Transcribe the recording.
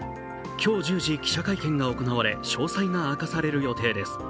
今日１０時、記者会見が行われ詳細が明かされる予定です。